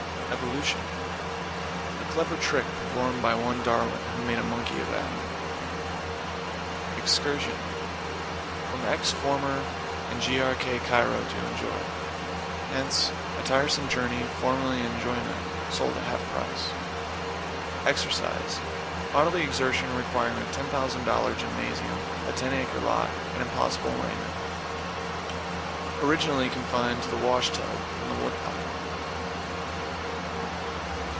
=EVOLUTION= A clever trick performed by one Darwin, who made a monkey of Adam. =EXCURSION= From ex. former, and Grk. kairo, to enjoy. Hence, a tiresome journey formerly an enjoyment sold at half price. =EXERCISE= Bodily exertion requiring a $10,000 gymnasium, a ten acre lot and impossible raiment. Originally confined to the wash tub and the wood pile.